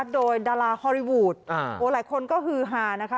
โดยดาราฮอลลีวูดหลายคนก็ฮือหานะคะ